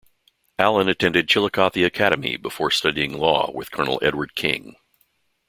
Allen attended Chillicothe Academy before studying law with Colonel Edward King.